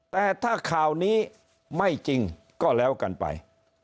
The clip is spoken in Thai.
แต่ถ้าข่าวนี้ไม่จริงก็แล้วกันไป